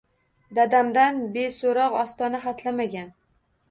Dadamdan beso‘roq ostona hatlamagan.